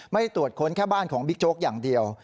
ตรวจค้นแค่บ้านของบิ๊กโจ๊กอย่างเดียว